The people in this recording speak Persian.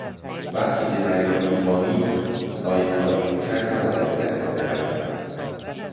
وقتی که دریا توفانی است قایقهای کوچک نباید به دریا بروند.